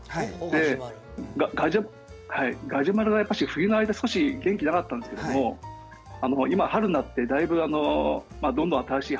ガジュマルはやっぱし冬の間少し元気なかったんですけども今春になってだいぶどんどん新しい葉っぱを出してる。